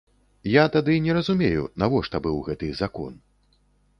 Я тады не разумею, навошта быў гэты закон.